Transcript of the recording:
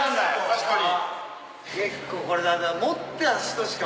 確かに。